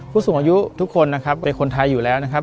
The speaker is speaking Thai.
ผู้สูงอายุทุกคนนะครับเป็นคนไทยอยู่แล้วนะครับ